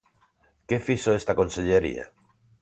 ¿Que fixo esta consellería?